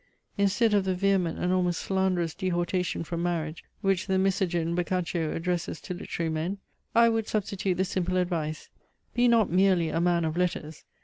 Instead of the vehement and almost slanderous dehortation from marriage, which the Misogyne, Boccaccio addresses to literary men, I would substitute the simple advice: be not merely a man of letters!